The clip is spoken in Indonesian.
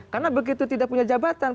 karena begitu tidak punya jabatan